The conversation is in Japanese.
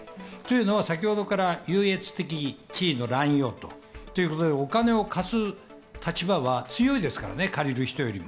先ほどから優越的地位の乱用ということでお金を貸す立場は強いですよね、借りる人よりも。